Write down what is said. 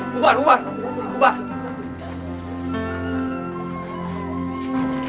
hubar hubar hubar